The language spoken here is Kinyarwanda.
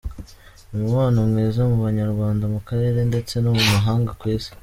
Umubano mwiza mu Banyarwanda, mu karere, ndetse no mu mahanga kw'isi.